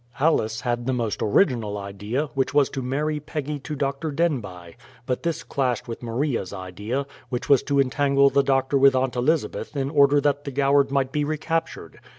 Alice had the most original idea, which was to marry Peggy to Dr. Denbigh; but this clashed with Maria's idea, which was to entangle the doctor with Aunt Elizabeth in order that the Goward might be recaptured.